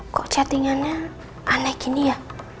kok chattingannya aneh gini ya